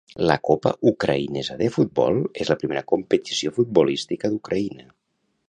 La Copa Ucraïnesa de futbol és la primera competició futbolística d'Ucraïna.